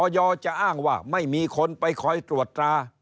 จะอ้างว่าไม่มีคนไปคอยตรวจตรา